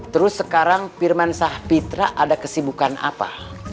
terus sekarang firman sahpitra ada kesibukan apa